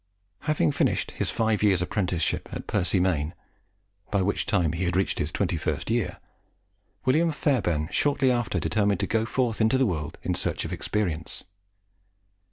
Having finished his five years' apprenticeship at Percy Main, by which time he had reached his twenty first year, William Fairbairn shortly after determined to go forth into the world in search of experience.